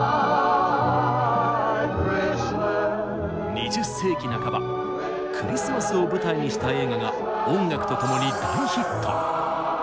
２０世紀半ばクリスマスを舞台にした映画が音楽とともに大ヒット。